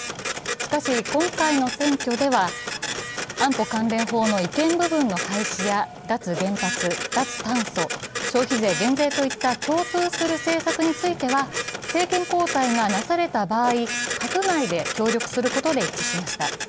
しかし、今回の選挙では安保関連法の違憲部分の廃止や脱原発、脱炭素、消費税減税といった共通する政策については政権交代がなされた場合、閣外で協力することで一致しました。